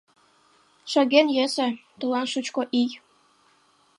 Шоген йӧсӧ, тулан шучко ий.